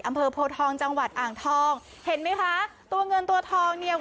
อำเภอโพทองจังหวัดอ่างทองเห็นไหมคะตัวเงินตัวทองเนี่ย